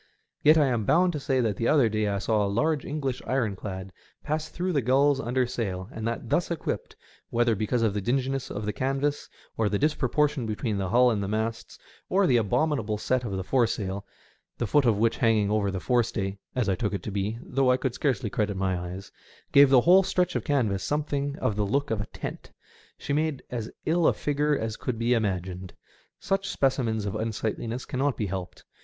Yet I am bound to say that the other day I saw a large English ironclad pass through the GuUs under sail, and that thus equipped — whether because of the dinginess of the canvas, or the disproportion between the hull and the masts, or the abominable set of the foresail, the foot of which hanging over the forestay (as I took it to be, though I could scarcely credit my eyes) gave the whole stretch of canvas something of the look of a tent, she made as ill a figure as could be imagined. Such speci mens of unsightliness cannot be helped.